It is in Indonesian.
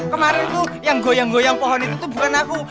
kemarin tuh yang goyang goyang pohon itu tuh bukan aku